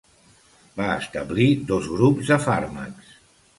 Va establir dos grups de fàrmacs.